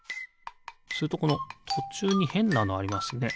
それとこのとちゅうにへんなのありますね。